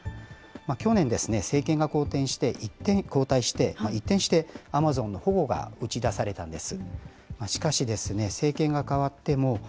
去年、政権が交代して、一転、一転してアマゾンの保護が打ち出されたんです。